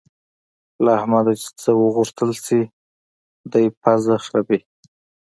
له احمده چې څه وغوښتل شي؛ دی پزه خرېي.